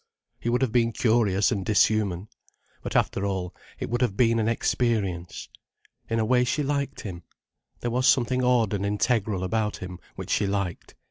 He would have been curious and dishuman. But after all, it would have been an experience. In a way, she liked him. There was something odd and integral about him, which she liked.